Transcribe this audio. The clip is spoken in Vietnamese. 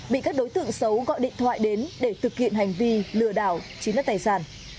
bị các đối tượng xấu gọi điện thoại đến để thực hiện hành vi lừa đảo chiếm đất tài sản